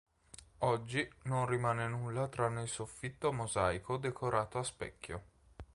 Oggi non rimane nulla tranne il soffitto a mosaico decorato a specchio.